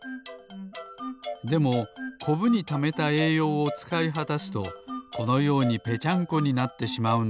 でもコブにためたえいようをつかいはたすとこのようにぺちゃんこになってしまうんです。